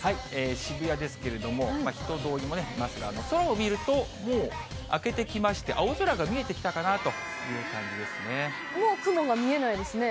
渋谷ですけれども、人通りもありますが、空を見ると、もう明けてきまして、青空が見えてきたもう雲が見えないですね。